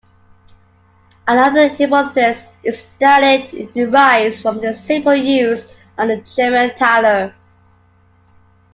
Another hypothesis is that it derives from the symbol used on a German Thaler.